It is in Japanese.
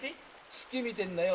月見てんだよ。